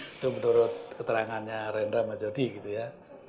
itu menurut keterangannya rendra majodi gitu ya